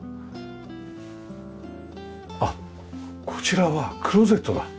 あっこちらはクローゼットだ。